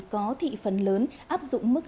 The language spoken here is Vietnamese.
có thị phần lớn áp dụng mức